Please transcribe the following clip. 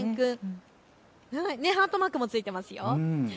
ハートマークも付いていますよね。